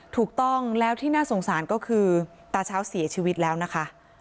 ถูกต้องแล้วที่น่าสงสารก็คือตาเช้าเสียชีวิตแล้วนะคะ